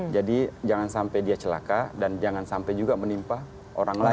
jadi jangan sampai dia celaka dan jangan sampai juga menimpa orang lain